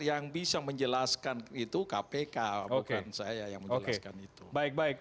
yang bisa menjelaskan itu kpk bukan saya yang menjelaskan itu baik baik